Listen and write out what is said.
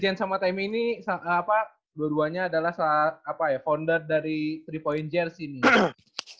james sama timmy ini dua duanya adalah founder dari tiga point jersey nih